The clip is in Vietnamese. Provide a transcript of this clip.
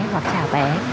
hoặc trả vé